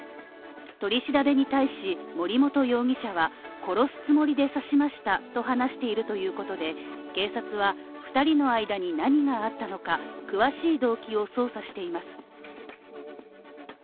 取り調べに対し森本容疑者は殺すつもりで刺しましたと話しているということで、警察は２人の間に何があったのか、詳しい動機を捜査しています。